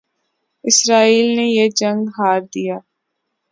اسرائیل نے یہ جنگ ہار دیا